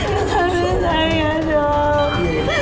tidak bisa ya dok